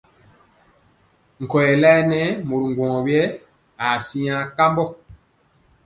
Nkɔyɛ layɛ nɛ mori ŋgwɔŋ yɛ aa siŋa kambɔ.